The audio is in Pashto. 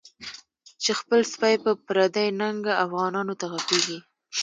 چی خپل سپی په پردی ننګه، افغانانو ته غپیږی